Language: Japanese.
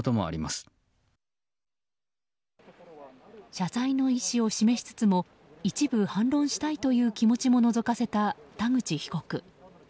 謝罪の意思を示しつつも一部反論したいという気持ちものぞかせた田口被告。